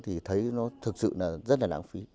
thì thấy nó thực sự là rất là lãng phí